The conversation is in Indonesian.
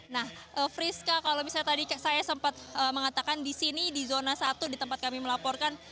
nah friska kalau misalnya tadi saya sempat mengatakan di sini di zona satu di tempat kami melaporkan